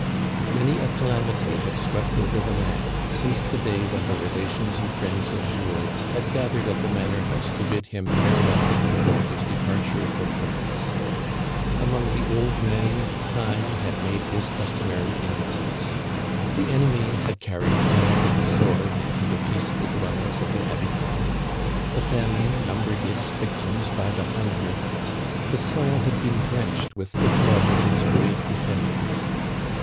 Many a calamity had swept over the land since the day when the relations and friends of Jules had gathered at the manor house to bid him farewell be fore his departure for France. Among the old men time had made his customary inroads. The enemy had carried fire and sword into the peaceful dwellings of the habitants. The famine numbered its victims by the hundred. The soil had been drenched with the blood of its brave defenders.